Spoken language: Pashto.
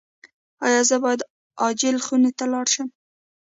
ایا زه باید عاجل خونې ته لاړ شم؟